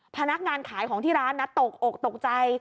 พนักงานขายของที่ร้านนะตกอกตกใจ